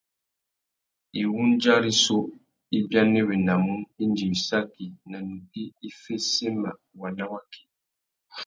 Iwundja rissú i bianéwénamú indi wissaki nà nukí i féssémamú waná waki.